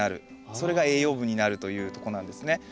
それが栄養分になるというとこなんですね。